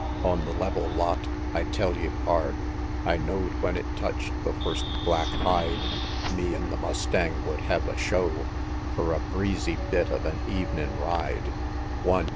On the level lot; I tell ye, pard, I know'd when it touch'd the first black hide, Me an' the mustang would hev a show Fur a breezy bit of an' evenin' ride! One!